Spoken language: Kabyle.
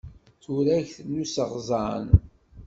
Turagt n useɣẓan.